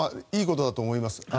いいことだと思います。